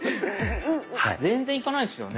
全然いかないですよね？